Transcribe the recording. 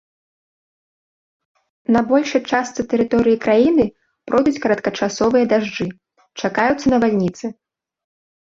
На большай частцы тэрыторыі краіны пройдуць кароткачасовыя дажджы, чакаюцца навальніцы.